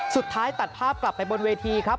สุดท้ายตัดภาพกลับไปบนเวทีครับ